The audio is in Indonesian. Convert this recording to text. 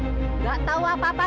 tidak tahu apa apa